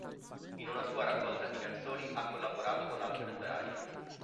In una sua raccolta di canzoni ha collaborato con Alfred Bryan.